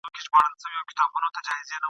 د اجل د ښکاري غشي پر وزر یمه ویشتلی !.